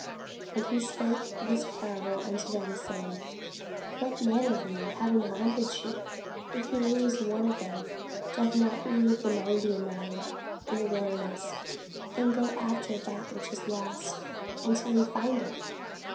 And he spake this parable unto them, saying, What man of you, having an hundred sheep, if he lose one of them, doth not leave the ninety and nine in the wilderness, and go after that which is lost, until he find it?